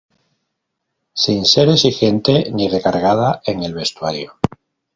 Sin ser exigente ni recargada en el vestuario.